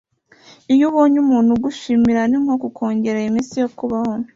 iyo ubonye umuntu ugushimira ni nko kukongerera iminsi yo kubaho